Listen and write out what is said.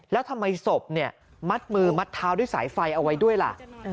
แล้วทำไมศพมัดมือมัดเท้าด้วยสายไฟเอาไว้ด้วยล่ะ